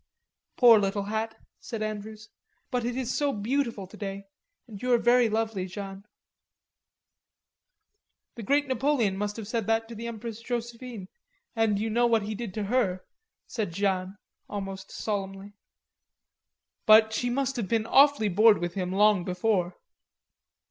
"Poor little hat," said Andrews, "but it is so beautiful today, and you are very lovely, Jeanne." "The great Napoleon must have said that to the Empress Josephine and you know what he did to her," said Jeanne almost solemnly. "But she must have been awfully bored with him long before."